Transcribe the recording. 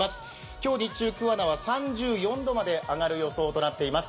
今日日中、桑名は３４度まで上がる予想となっています。